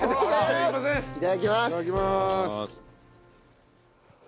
いただきます。